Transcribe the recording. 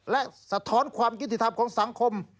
และสะท้อนความยุติธรรมของสังคม